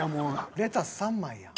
レタス３枚やん。